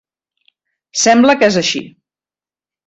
Sembla que és així.